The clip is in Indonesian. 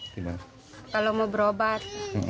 kalau mau berobat